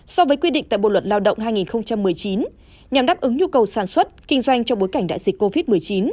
so với quy định tại bộ luật lao động hai nghìn một mươi chín nhằm đáp ứng nhu cầu sản xuất kinh doanh trong bối cảnh đại dịch covid một mươi chín